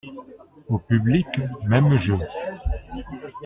Au public, même jeu.